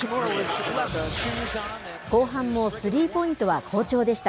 後半もスリーポイントは好調でした。